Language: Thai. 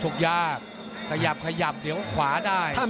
กายับเดี๋ยวขวาได้ใส่